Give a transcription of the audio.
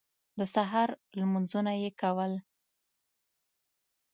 د سهار لمونځونه یې کول.